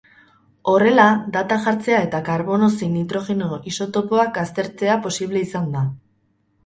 Horrela, data jartzea eta karbono zein nitrogeno isotopoak aztertzea posible izan da.